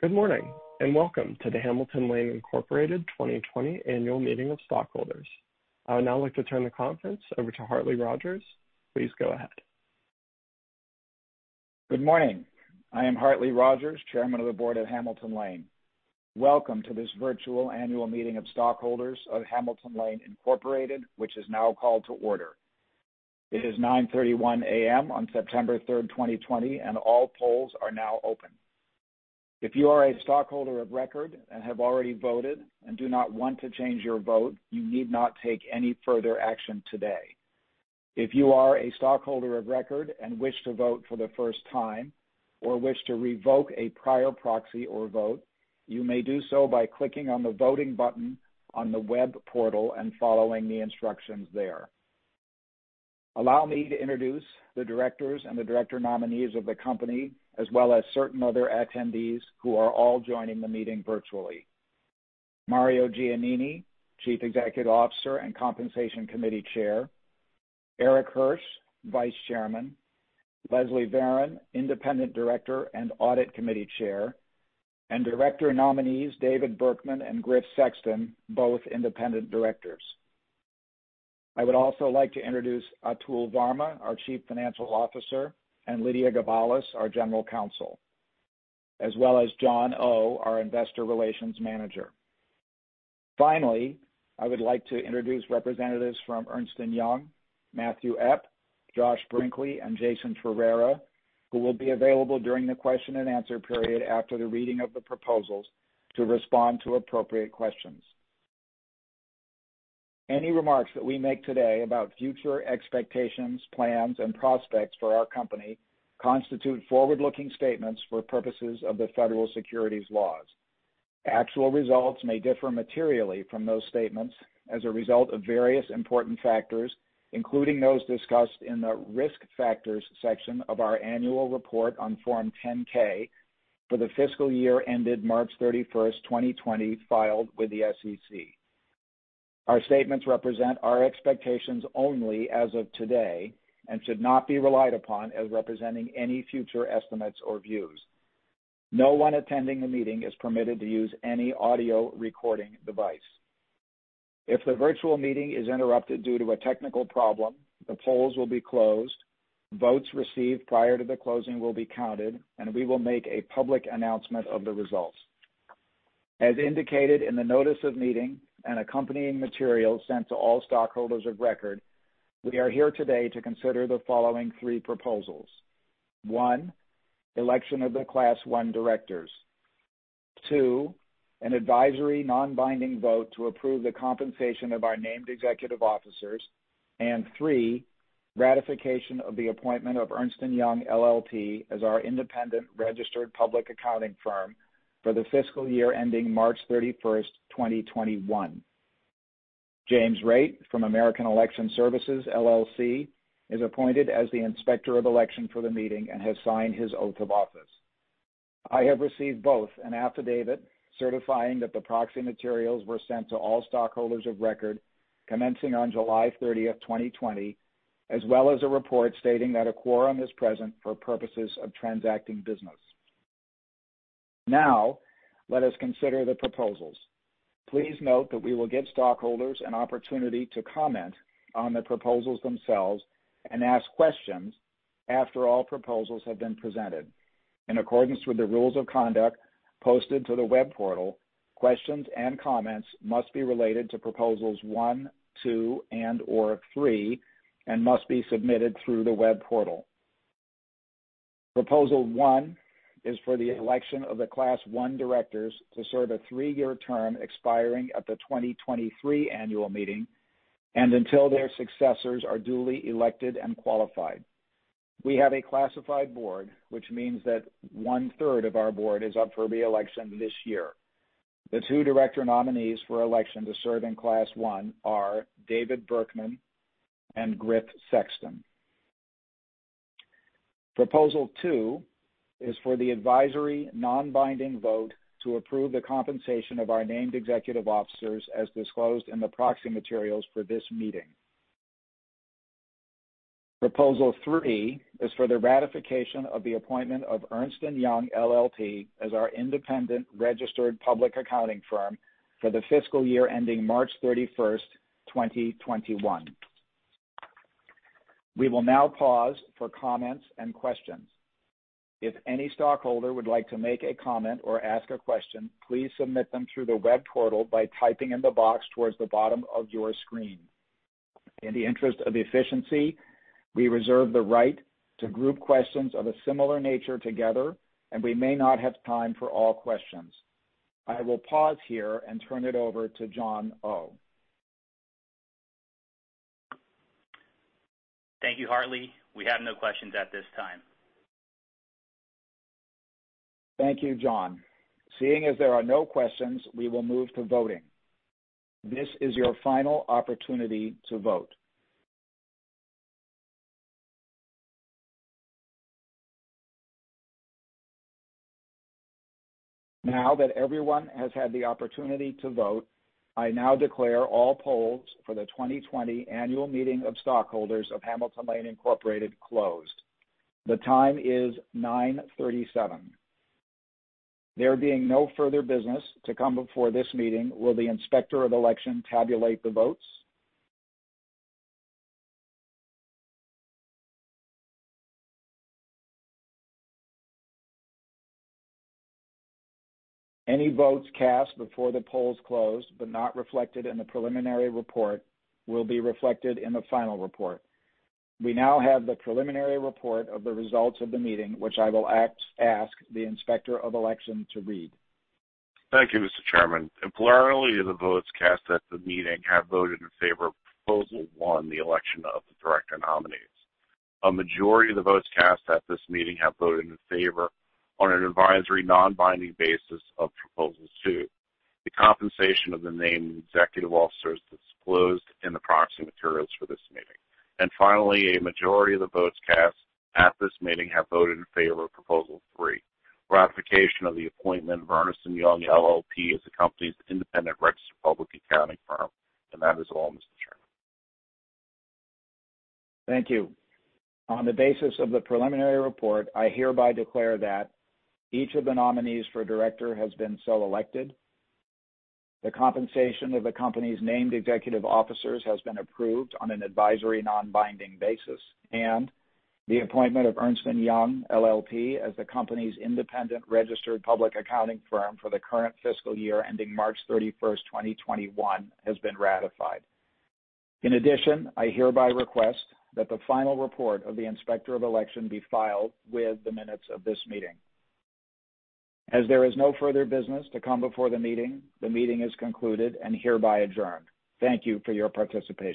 Good morning, and welcome to the Hamilton Lane Incorporated 2020 Annual Meeting of Stockholders. I would now like to turn the conference over to Hartley Rogers. Please go ahead. Good morning. I am Hartley Rogers, Chairman of the Board at Hamilton Lane. Welcome to this virtual Annual Meeting of Stockholders of Hamilton Lane Incorporated, which is now called to order. It is 9:31 A.M. on September 3rd, 2020. All polls are now open. If you are a stockholder of record and have already voted and do not want to change your vote, you need not take any further action today. If you are a stockholder of record and wish to vote for the first time or wish to revoke a prior proxy or vote, you may do so by clicking on the voting button on the web portal and following the instructions there. Allow me to introduce the directors and the director nominees of the company, as well as certain other attendees who are all joining the meeting virtually. Mario Giannini, Chief Executive Officer and Compensation Committee Chair. Erik Hirsch, Vice Chairman. Leslie Varon, Independent Director and Audit Committee Chair. Director Nominees, David Berkman and Griff Sexton, both Independent Directors. I would also like to introduce Atul Varma, our Chief Financial Officer, and Lydia Gavalis, our General Counsel, as well as John Oh, our Investor Relations Manager. Finally, I would like to introduce representatives from Ernst & Young, Matthew Epp, Josh Brinkley, and Jason Ferrara, who will be available during the question and answer period after the reading of the proposals to respond to appropriate questions. Any remarks that we make today about future expectations, plans, and prospects for our company constitute forward-looking statements for purposes of the federal securities laws. Actual results may differ materially from those statements as a result of various important factors, including those discussed in the risk factors section of our annual report on Form 10-K for the fiscal year ended March 31st, 2020, filed with the SEC. Our statements represent our expectations only as of today and should not be relied upon as representing any future estimates or views. No one attending the meeting is permitted to use any audio recording device. If the virtual meeting is interrupted due to a technical problem, the polls will be closed, votes received prior to the closing will be counted, and we will make a public announcement of the results. As indicated in the notice of meeting and accompanying materials sent to all stockholders of record, we are here today to consider the following three proposals. One, election of the Class I directors. Two, an advisory non-binding vote to approve the compensation of our named executive officers. Three, ratification of the appointment of Ernst & Young LLP as our independent registered public accounting firm for the fiscal year ending March 31st, 2021. James Rate from American Election Services, LLC is appointed as the inspector of election for the meeting and has signed his oath of office. I have received both an affidavit certifying that the proxy materials were sent to all stockholders of record commencing on July 30th, 2020, as well as a report stating that a quorum is present for purposes of transacting business. Now, let us consider the proposals. Please note that we will give stockholders an opportunity to comment on the proposals themselves and ask questions after all proposals have been presented. In accordance with the rules of conduct posted to the web portal, questions and comments must be related to proposals one, two, and/or three and must be submitted through the web portal. Proposal One is for the election of the Class I directors to serve a three-year term expiring at the 2023 annual meeting and until their successors are duly elected and qualified. We have a classified board, which means that one-third of our board is up for reelection this year. The two director nominees for election to serve in Class I are David Berkman and Griff Sexton. Proposal Two is for the advisory non-binding vote to approve the compensation of our named executive officers as disclosed in the proxy materials for this meeting. Proposal Three is for the ratification of the appointment of Ernst & Young LLP as our independent registered public accounting firm for the fiscal year ending March 31st, 2021. We will now pause for comments and questions. If any stockholder would like to make a comment or ask a question, please submit them through the web portal by typing in the box towards the bottom of your screen. In the interest of efficiency, we reserve the right to group questions of a similar nature together. We may not have time for all questions. I will pause here and turn it over to John Oh. Thank you, Hartley. We have no questions at this time. Thank you, John. Seeing as there are no questions, we will move to voting. This is your final opportunity to vote. Now that everyone has had the opportunity to vote, I now declare all polls for the 2020 annual meeting of stockholders of Hamilton Lane Incorporated closed. The time is 9:37 A.M. There being no further business to come before this meeting, will the Inspector of Election tabulate the votes? Any votes cast before the polls closed but not reflected in the preliminary report will be reflected in the final report. We now have the preliminary report of the results of the meeting, which I will ask the Inspector of Election to read. Thank you, Mr. Chairman. A plurality of the votes cast at the meeting have voted in favor of Proposal One, the election of the director nominees. A majority of the votes cast at this meeting have voted in favor on an advisory, non-binding basis of Proposal Two, the compensation of the named executive officers as disclosed in the proxy materials for this meeting. Finally, a majority of the votes cast at this meeting have voted in favor of Proposal Three, ratification of the appointment of Ernst & Young LLP as the company's independent registered public accounting firm. That is all, Mr. Chairman. Thank you. On the basis of the preliminary report, I hereby declare that each of the nominees for director has been so elected, the compensation of the company's named executive officers has been approved on an advisory, non-binding basis, and the appointment of Ernst & Young LLP as the company's independent registered public accounting firm for the current fiscal year ending March 31st, 2021, has been ratified. In addition, I hereby request that the final report of the Inspector of Election be filed with the minutes of this meeting. As there is no further business to come before the meeting, the meeting is concluded and hereby adjourned. Thank you for your participation.